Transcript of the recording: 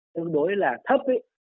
tương đối là thấp